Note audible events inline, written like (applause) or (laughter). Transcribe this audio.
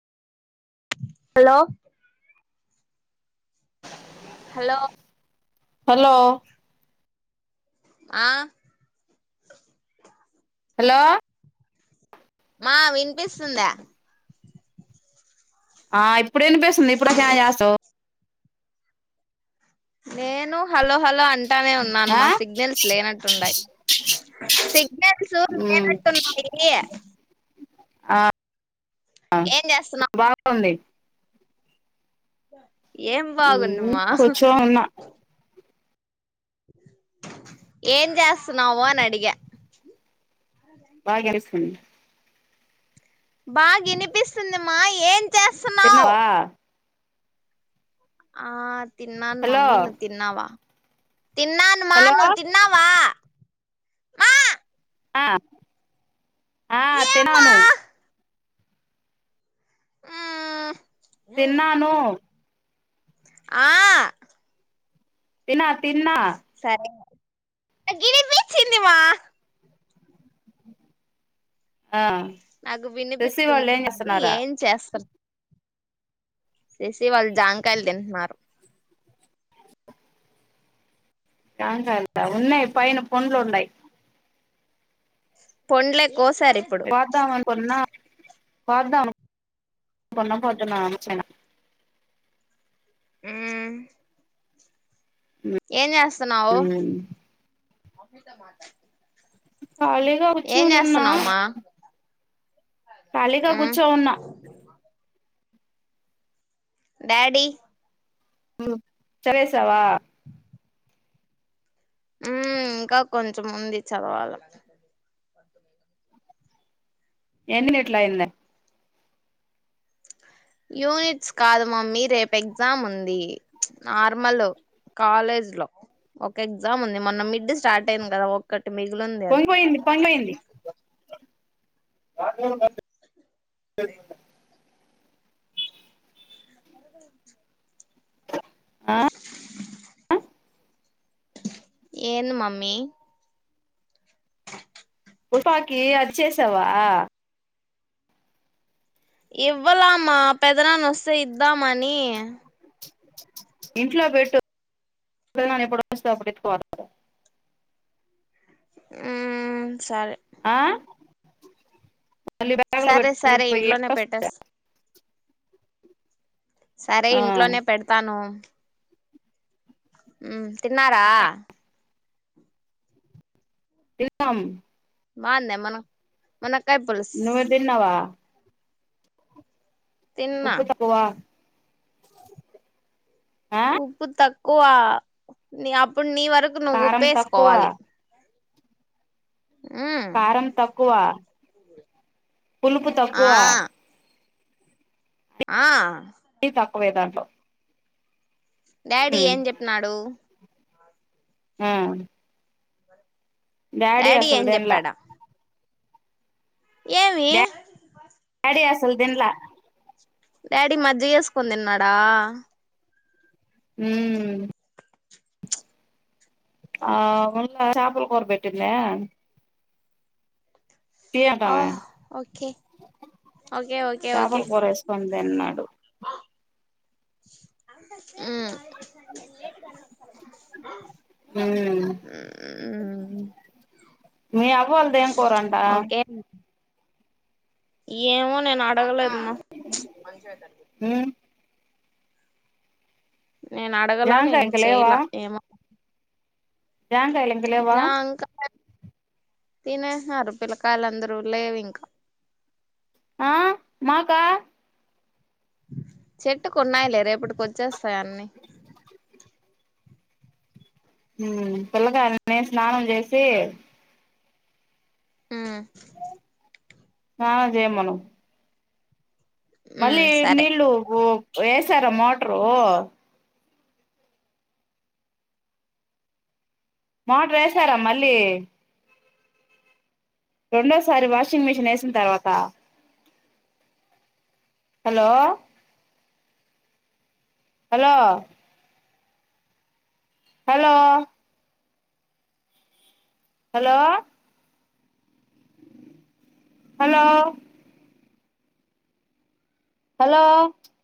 Hello hello hello ఆ hello మా వినిపిస్తుందా ఆ ఇప్పుడు వినిపిస్తుంది ఇప్పుడుక చేస్త నేను హలో హలో అన్ అంటానే ఉన్నాను ఆ మా సిగ్నల్స్ లేనట్టు ఉండాయి సిగ్నల్స్ లేనట్టున్నాయి ఆ ఆ ఏం చేస్తున్నావు బాగుంది (inaudible) మ్మ్ బాగుందిమా కూర్చొని ఉన్న ఏం చేస్తున్నావో అని అడిగా బాగా ఎనొస్తుంది బా ఇనిపిస్తుంది మా ఎన్ తిన్నావా ఆ తిన్నాను హలో మమ్మీ నువ్వు తిన్నావా తిన్నాను మా హలో నువ్వు తిన్నావా మా ఆ ఆ ఏమ్మా తినను ఉం తిన్నానో ఆ తిన తిన్నా సరే నా గినిబిచ్చింది మా ఆ నాకు శశి వినిపిస్తుంది వాళ్ళు ఏం కానీ చేస్తున్నారా ఏం చేస్తా సెసీ వాళ్ళు జాంకాయలు తింట్నర్ జమాకాయల ఉన్నాయి్ పైన పండ్లు ఉండాయి పొండ్లే కోసారిప్పుడు పాద్దామనుకున్న పొద్దున్న చి ఉం ఏం జాస్ ఉం (inaudible) ఖాళీగా ఏం కూచుని ఉన్నా చేస్తున్నావుమా ఖాలీగా మ్మ్ కూర్చో ఉన్నా డాడీ చదివేసావా ఉం ఇంకా కొంచెం ఉంది చదవాల ఎన్ని నీట్లాయింద యూనిట్స్ కాదు మమ్మీ రేపు ఎగ్జామ్ ఉంది నార్మల్ కాలేజ్ లో ఒక ఎగ్జామ్ ఉంది మొన్న మిడ్ స్టార్ట్ అయింది కదా ఒక పొంగి పోయింది పొంగి పోయింది (unintelligible) ఆ ఏన్ మమ్మీ ఉపాకి అచ్చేసావా ఇవ్వలమ్మా పెదనాన్ వస్తే ఇద్దామాని ఇంట్లో పెట్టు పెదనాన ఎప్పుడు వస్తే అప్పుడు ఎత్తుకపోతాడు ఆం సరే ఆ మళ్ళీ బ్యాగ్ లో సరే పెట్టుకొని సరే పోయి ఇంట్లోనే ఎట్టొస్తా పెట్టెస్ సరే ఆ ఇంట్లోనే పెడతాను ఉం తిన్నారా తిన్నాం బాందేమను మొన్న నువ్వే తిన్నావా తిన్నా ఉప్పు తక్కువా ఆ ఉప్పు తక్ కువా నీ అపుడ్ నీవర్ రకు కారం తక్కువ నువ్వుప్పేస్కోవాలి. కారం తక్కువ పులుపు ఆ తక్కువ ఆ న్ని తక్కువే దాంట్లో డాడీ ఉమ్ ఏం చెప్పినాడు? ఉమ్ డాడీ ఏం అసల్దీన్లా చెప్పాడా ఏమి? డీ అసలు దిన్లా డాడీ మజ్జిగేస్కోని తిన్నాడా. హ్మ్ ఆ ఉళ్ల చాపల కూరబెట్టిందే. ఆ ఓకే, ఓకే ఓకే ఓకే. చేపల కూర వేసుకొని తిన్నాడు ఉమ్ ఉమ్ మ్మ్ మీ అవ్వోళ్ళదేం కూరంట ఓకే ఏమో నేనాడు డగలేదు మా మ్మ్ నేను అడగలా, నేన్ జాంకాయ చేయలా ఏమో జంగాయలింగలేవా తినేస్నారు పిల్లకాయలందరూ, లేవింకా ఆ మాకా చెట్టుకున్నాయిలే, రేపటికొచ్చేస్తాయి అన్నీ. హ్మ్ పిల్లకాయల్ని స్నానం చేసి హ్మ్ ఆ చేయమను ఉమ్ మళ్ళీ సరే నీళ్ళు గోక్ ఏస్ చ్చార మోటరు మోటారేశారా మళ్ళీ రెండోసారి వాషింగ్ మిషిన్ ఏసిన్తర్వాత hello hello hello hello hello hello